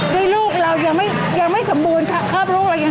คือลูกเรายังไม่สมบูรณ์ข้อบลูกเรา